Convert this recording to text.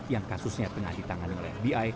yang kasusnya tengah ditangani oleh fbi